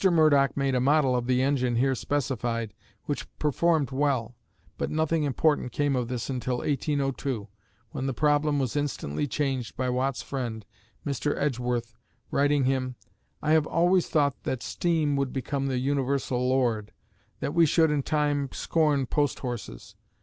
Murdoch made a model of the engine here specified which performed well, but nothing important came of all this until 1802, when the problem was instantly changed by Watt's friend, Mr. Edgeworth, writing him, "I have always thought that steam would become the universal lord, and that we should in time scorn post horses.